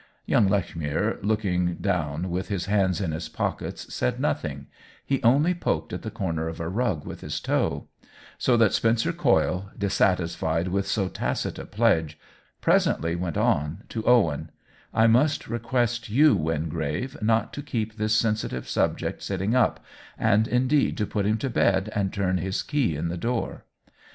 Young Lechmere, looking down with his hands in his pockets, said nothing — he only poked at the corner of a rug with his toe ; so that Spencer Coyle, dissatisfied with so tacit a pledge, presently went on, to Owen : "I must request you, Wingrave, not to keep this sensitive subject sitting up— and, indeed, to put him to bed and turn his key in the door."